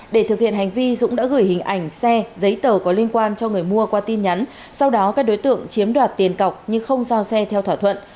để thực hiện hành vi dũng đã gửi hình ảnh xe giấy tờ có liên quan cho người mua qua tin nhắn sau đó các đối tượng chiếm đoạt tiền cọc nhưng không giao xe theo thỏa thuận